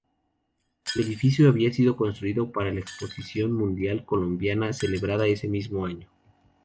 El edificio había sido construido para la Exposición Mundial Colombina, celebrada ese mismo año.